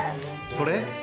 それ？